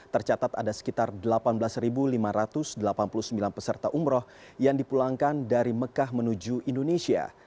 tercatat ada sekitar delapan belas lima ratus delapan puluh sembilan peserta umroh yang dipulangkan dari mekah menuju indonesia